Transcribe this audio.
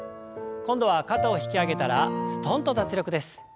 今度は肩を引き上げたらすとんと脱力です。